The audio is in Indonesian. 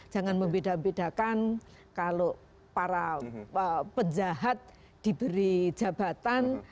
jangan membeda bedakan kalau para penjahat diberi jabatan